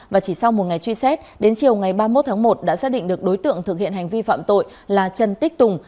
và chỉ sau một ngày truy xét đến chiều ngày ba mươi một tháng một đã xác định được đối tượng thực hiện hành vi phạm tội là trần tích tùng